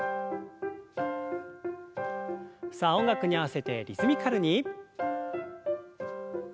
さあ音楽に合わせてリズミカルに。